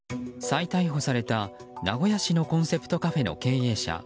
再逮捕された名古屋市のコンセプトカフェの経営者